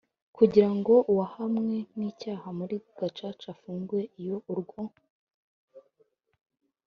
kugira ngo uwahamwe n icyaha muri Gacaca afungwe iyo urwo